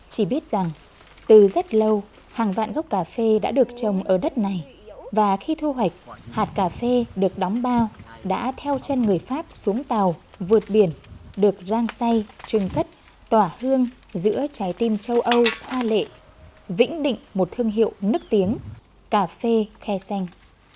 chỉ biết rằng từ rất lâu hàng vạn gốc cà phê đã được trồng ở đất này và khi thu hoạch hạt cà phê được đóng bao đã theo chân người pháp xuống tàu vượt biển được rang say trừng cất tỏa hương giữa trái tim châu âu hoa lệ vĩnh định một thương hiệu nức tiếng cà phê khe xanh